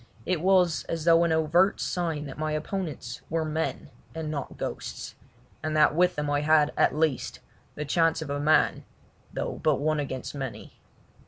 It was as though an overt sign that my opponents were men and not ghosts, and that with them I had, at least, the chance of a man, though but one against many.